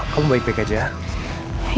kamu baik baik aja